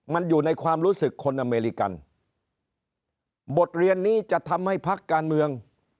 มันอยู่ในความรู้สึกคนอเมริกันบทเรียนนี้จะทำให้พักการเมือง